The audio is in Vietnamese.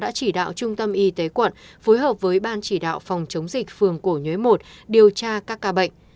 đã chỉ đạo trung tâm y tế quận phối hợp với ban chỉ đạo phòng chống dịch phường cổ nhuế một điều tra các ca bệnh